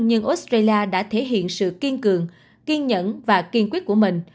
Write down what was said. nhưng australia đã thể hiện sự kiên cường kiên nhẫn và kiên quyết của mình